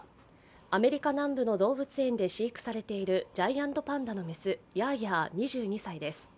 アメリカ南部の動物園で飼育されているジャイアントパンダの雌ヤーヤー２２歳です。